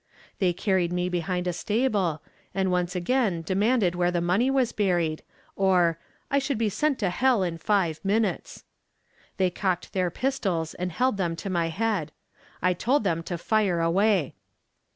They carried me behind a stable, and once again demanded where the money was buried, or 'I should be sent to hell in five minutes.' They cocked their pistols and held them to my head. I told them to fire away.